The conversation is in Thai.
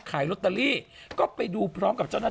ขายลอตเตอรี่ก็ไปดูพร้อมกับเจ้าหน้าที่